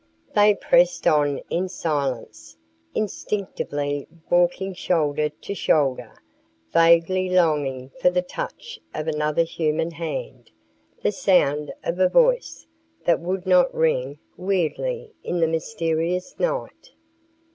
They pressed on in silence, instinctively walking shoulder to shoulder, vaguely longing for the touch of another human hand, the sound of a voice that would not ring weirdly in the mysterious night.